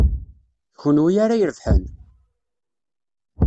D kunwi ara irebḥen?